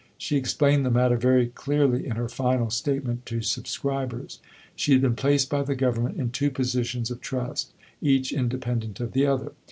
She explained the matter very clearly in her final Statement to Subscribers. She had been placed by the Government in two positions of trust, each independent of the other.